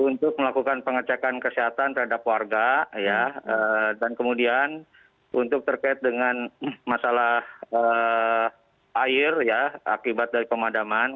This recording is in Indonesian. untuk melakukan pengecekan kesehatan terhadap warga dan kemudian untuk terkait dengan masalah air ya akibat dari pemadaman